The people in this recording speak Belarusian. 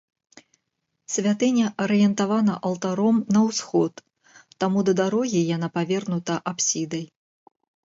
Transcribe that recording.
Святыня арыентавана алтаром на ўсход, таму да дарогі яна павернута апсідай.